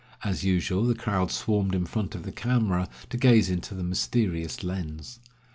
As usual, the crowd swarmed in front of the camera to gaze into the mysterious lens.